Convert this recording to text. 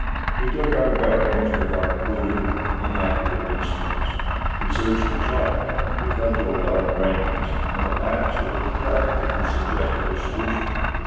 We took our bearings with our crude and inaccurate instruments; we searched the chart; we cudgeled our brains; and at last it was Bradley who suggested a solution.